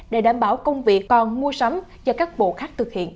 để đảm bảo công vị còn mua sắm cho các bộ khác thực hiện